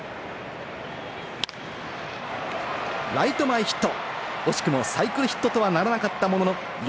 ライト前ヒット。